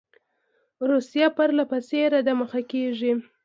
روسیه پر له پسې را دمخه کیږي.